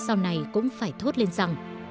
sau này cũng phải thốt lên rằng